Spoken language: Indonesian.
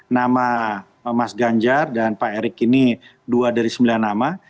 nama mas ganjar dan pak erick ini dua dari sembilan nama